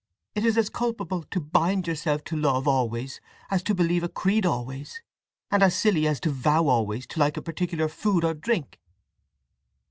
It is as culpable to bind yourself to love always as to believe a creed always, and as silly as to vow always to like a particular food or drink!"